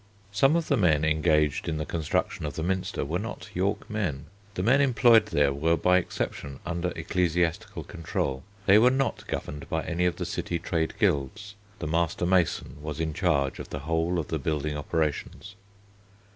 Some of the men engaged in the construction of the Minster were not York men. The men employed there were by exception under ecclesiastical control. They were not governed by any of the city trade guilds. The master mason was in charge of the whole of the building operations.